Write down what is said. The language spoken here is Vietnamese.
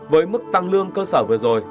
với mức tăng lương cơ sở vừa rồi